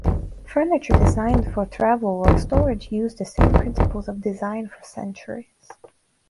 Furniture designed for travel or storage used the same principles of design for centuries.